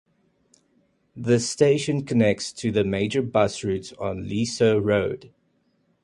The station connects to the major bus routes on Leasowe Road.